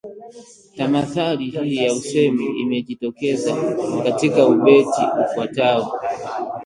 Tamathali hii ya usemi imejitokeza katika ubeti ufuatao: